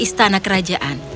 dia menemukan anak kerajaan